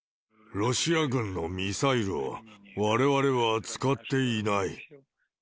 ロシア軍のミサイルをわれわれは使っていない。